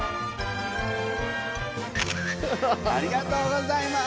ありがとうございます！